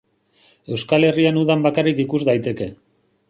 Euskal Herrian udan bakarrik ikus daiteke.